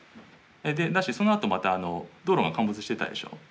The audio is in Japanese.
そのあとまた道路が陥没してたでしょ？